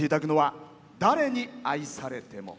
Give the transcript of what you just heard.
「誰に愛されても」。